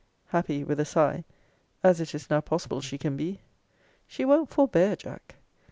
Happy, with a sigh, as it is now possible she can be! She won't forbear, Jack!